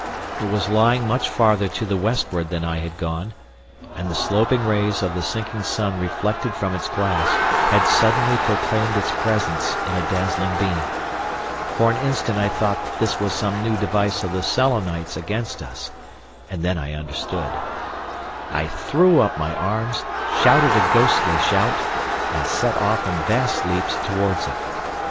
It was lying much farther to the westward than I had gone, and the sloping rays of the sinking sun reflected from its glass had suddenly proclaimed its presence in a dazzling beam. For an instant I thought this was some new device of the Selenites against us, and then I understood. I threw up my arms, shouted a ghostly shout, and set off in vast leaps towards it.